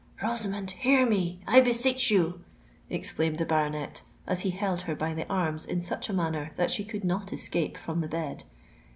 "Rosamond, hear me—I beseech you!" exclaimed the baronet, as he held her by the arms in such a manner that she could not escape from the bed.